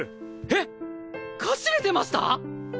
えっかしげてました